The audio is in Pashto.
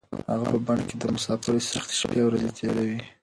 هغه په بن کې د مسافرۍ سختې شپې او ورځې تېروي.